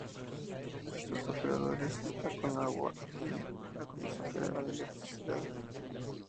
Sus operadores son la Conagua y la Comisión Federal de Electricidad.